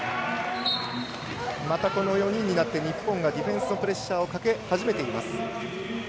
またこの４人になって日本がディフェンスのプレッシャーをかけ始めています。